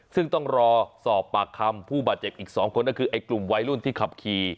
ซึ่งต้องรอสอบปากคำผู้บาดเจ็บอีก๒คนก็คือไอ้กลุ่มวัยรุ่นที่ขับขี่